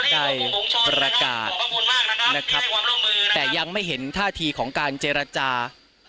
ได้ประกาศนะครับแต่ยังไม่เห็นท่าทีของการเจรจา